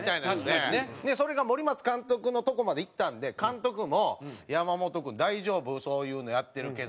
それが森松監督のとこまでいったんで監督も「山本君大丈夫？そういうのやってるけど」。